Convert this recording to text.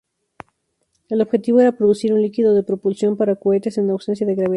El objetivo era producir un líquido de propulsión para cohetes en ausencia de gravedad.